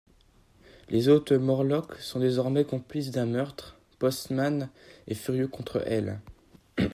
Les autres Morlocks sont désormais complices d'un meurtre, Postman est furieux contre elle.